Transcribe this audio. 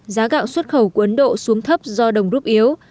giá gạo xuất khẩu của ấn độ xuống thấp do đồng rút yếu